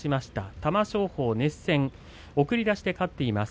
玉正鳳、熱戦送り出しで勝っています。